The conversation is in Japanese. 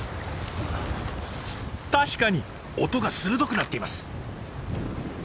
確かに音が鋭くなっています！